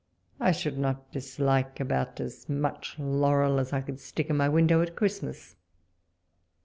I should not dislike about as much laurel as I could stick in my window at Christmas.